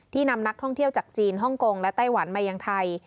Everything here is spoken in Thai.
นำนักท่องเที่ยวจากจีนฮ่องกงและไต้หวันมายังไทย